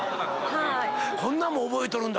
こんなんも覚えとるんだ。